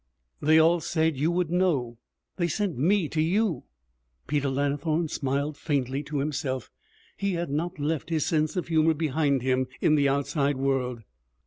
'They all said you would know. They sent me to you.' Peter Lannithorne smiled faintly to himself. He had not left his sense of humor behind him in the outside world.